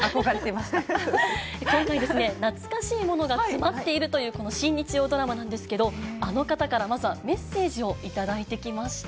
今回ですね、懐かしいものが詰まっているという、この新日曜ドラマなんですけれども、あの方から、まずはメッセージを頂いてきました。